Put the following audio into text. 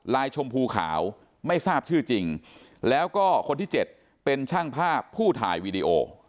ชมพูขาวไม่ทราบชื่อจริงแล้วก็คนที่เจ็ดเป็นช่างภาพผู้ถ่ายวีดีโอ